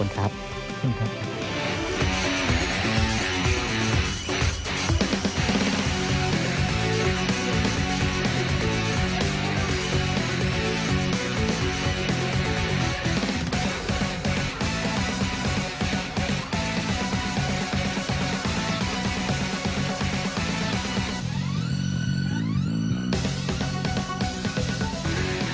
ขอบคุณครับ